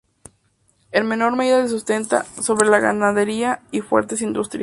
En menor medida se sustenta sobre la ganadería y fuertes industrias.